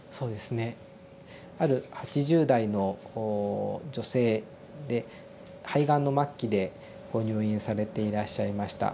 ある８０代の女性で肺がんの末期でご入院されていらっしゃいました。